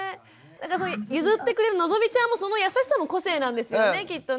譲ってくれるのぞみちゃんもその優しさも個性なんですよねきっとね。